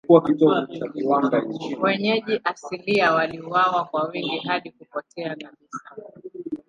Wenyeji asilia waliuawa kwa wingi hadi kupotea kabisa.